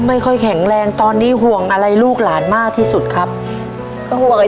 มันเป็นโรคนี่หนักหนามากเลย